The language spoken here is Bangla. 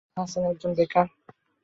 হাসান একজন বেকার।